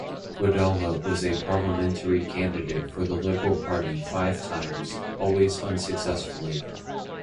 Guedalla was a parliamentary candidate for the Liberal Party five times, always unsuccessfully.